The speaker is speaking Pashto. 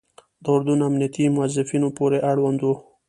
د اردن امنیتي موظفینو پورې اړوند وو.